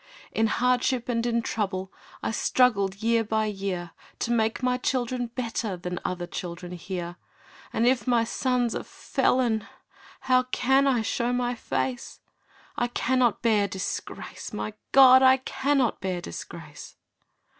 'In hardship and in trouble I struggled year by year To make my children better Than other children here. And if my son's a felon How can I show my face? I cannot bear disgrace; my God, I cannot bear disgrace!